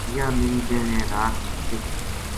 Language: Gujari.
یاہ میری بہن ہے رات ا